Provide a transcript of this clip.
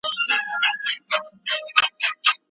ستونی ولي په نارو څیرې ناحقه